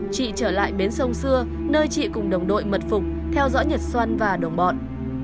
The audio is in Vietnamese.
chị trở lại bến sông xưa nơi chị cùng đồng đội mật phục theo dõi nhật xoăn và đồng bọn